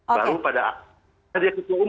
baru pada tadi itu umum